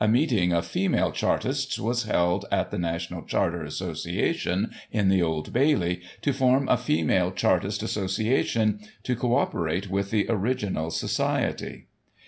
195 meeting of female Chartists was held at the National Charter Association in the Old Bailey, to form a female Chartist Association to co operate with the original society.